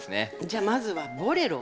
じゃあまずはボレロ。